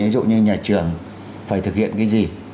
ví dụ như nhà trường phải thực hiện cái gì